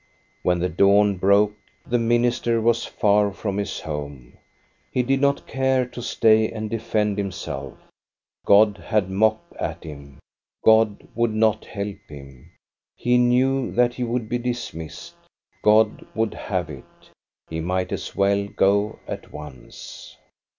When the dawn broke the minister was far from his home. He did not care to stay and defend him self God had mocked at him. God would not help him. He knew that he would be dismissed. God would have it. He might as well go at once.